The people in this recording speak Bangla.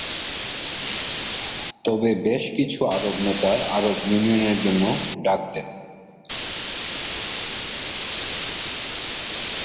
তবে বেশ কিছু আরব নেতা আরব ইউনিয়নের জন্য ডাক দেন।